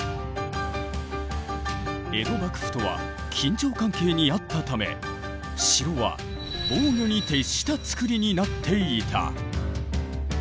江戸幕府とは緊張関係にあったため城は防御に徹したつくりになっていた。